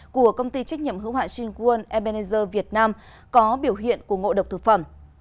của công ty trách nhiệm hữu hạ sinh quân ebenezer việt nam có biểu hiện của ngộ độc thực phẩm